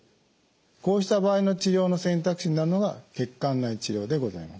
こうした場合の治療の選択肢になるのが血管内治療でございます。